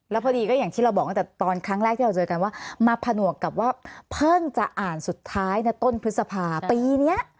แล้วพอดีก็อย่างที่เราบอกตั้งแต่ตอนครั้งแรกที่เราเจอกันว่ามาผนวกกับว่าเพิ่งจะอ่านสุดท้ายในต้นพฤษภาปีนี้